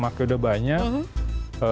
maka udah banyak